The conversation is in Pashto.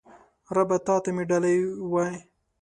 ربه تاته مې ډالۍ وی